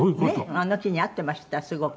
あの木に合ってましたすごく。